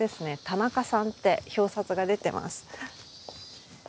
田中さんって表札が出てます。